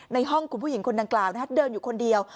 ในห้องคุณผู้หญิงคนดังกล่าวเดินอยู่คนเดียว